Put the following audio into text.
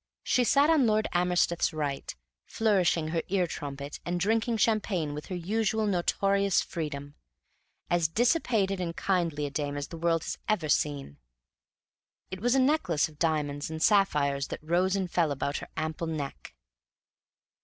She sat on Lord Amersteth's right, flourishing her ear trumpet, and drinking champagne with her usual notorious freedom, as dissipated and kindly a dame as the world has ever seen. It was a necklace of diamonds and sapphires that rose and fell about her ample neck.